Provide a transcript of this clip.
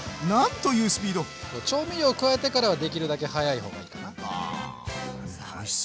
調味料加えてからはできるだけ早い方がいいかな。はおいしそうじゃん！